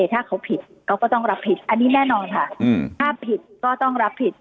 ถ้าเขาผิดเขาก็ต้องรับผิดอันนี้แน่นอนค่ะถ้าผิดก็ต้องรับผิด